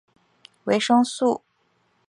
维生素。